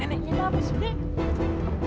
nenek ini apa sih nek